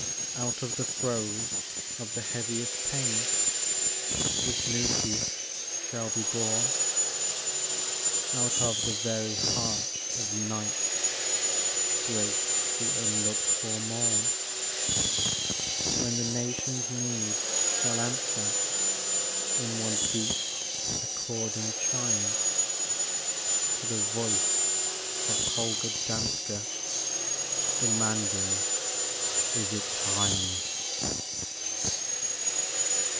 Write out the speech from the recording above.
Out of the throes of the heaviest pain This new peace shall be born, Out of the very heart of night Break the unlooked for morn, When the nation's need shall answer In one deep, according chime, To the voice of Holger Danske, Demanding, " Is it time